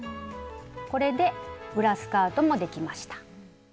これで裏スカートもできました。